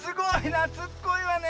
なつっこいわね